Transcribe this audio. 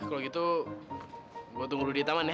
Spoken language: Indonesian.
kalau gitu gue tunggu lo di taman ya